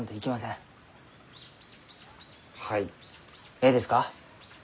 えいですか？